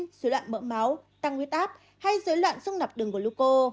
dưới loạn mỡ máu tăng huyết áp hay dưới loạn xung nập đường của lũ cô